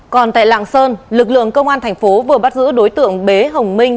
còn tại lạng sơn lực lượng công an thành phố vừa bắt giữ đối tượng bế hồng minh